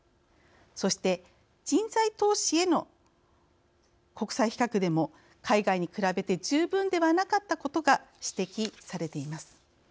そして人材投資への国際比較でも海外に比べて十分ではなかったことが指摘されています。